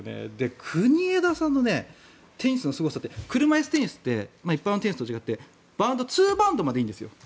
国枝さんのテニスのすごさって車いすテニスって一般のテニスと違って２バウンドまでいいんですよ。